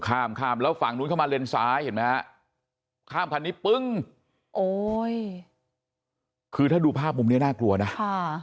ข้ามข้ามแล้วฝั่งนู้นเข้ามาเลนซ้ายเห็นไหมฮะข้ามคันนี้ปึ้งโอ้ยคือถ้าดูภาพมุมเนี้ยน่ากลัวนะค่ะ